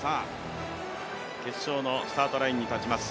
決勝のスタートラインに立ちます